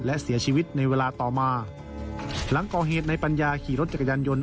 และเสียชีวิตในเวลาต่อมาหลังก่อเหตุในปัญญาขี่รถจักรยานยนต์